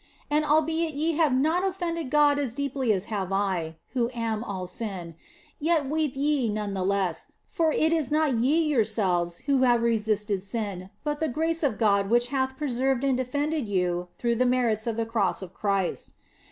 And albeit ye have not offended God as deeply as have I (who am all sin), yet weep ye none the less, for it is not ye yourselves who have resisted sin, but the grace of God which hath preserved and defended you through the merits of the Cross of Christ.